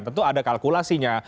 tentu ada kalkulasinya